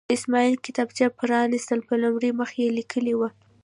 اسماعیل کتابچه پرانسته، په لومړي مخ یې لیکلي وو.